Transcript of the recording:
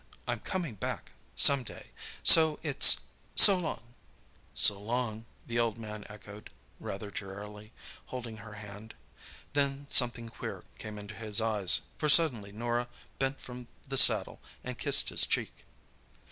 "I'm coming back—some day. So it's—'so long!'" "So long," the old man echoed, rather drearily, holding her hand. Then something queer came into his eyes, for suddenly Norah bent from the saddle and kissed his cheek.